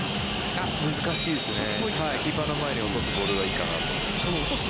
難しいですね。